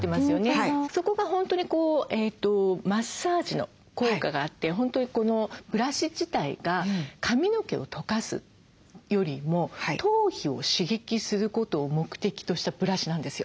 そこが本当にマッサージの効果があって本当にこのブラシ自体が髪の毛をとかすよりも頭皮を刺激することを目的としたブラシなんですよ。